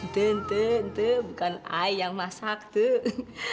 tentu tentu bukan ayang masak tuh